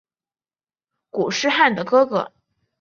固始汗的哥哥。